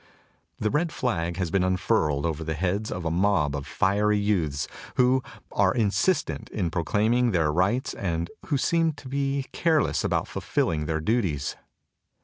The red flag has been unfurled over the heads of a mob of fiery youths, who are insistent in proclaim ing their rights and who seem to be careless about fulfilling their duties.